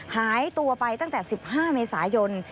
หายตัวไปตั้งแต่๑๕เมษายน